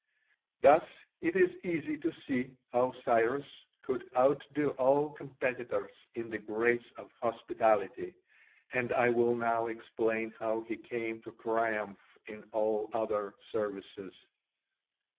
Thus it is easy to see how Cyrus could outdo all competitors in the grace of hospitality, and I will now explain how he came to triumph in all other services.